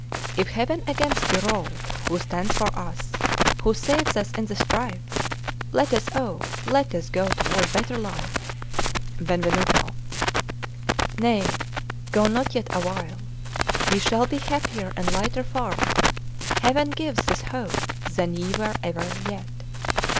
'If Heaven against you roll, Who stands for us? who saves us in the strife? Let us, O let us go toward better life! 'Benvenuto. 'Nay, go not yet awhile! Ye shall be happier and lighter far Heaven gives this hope than ye were ever yet!